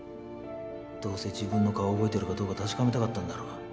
どうせ自分の顔を覚えてるかどうか確かめたかったんだろ。